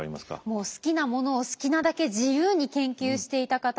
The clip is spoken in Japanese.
もう好きなものを好きなだけ自由に研究していた方っていう印象で。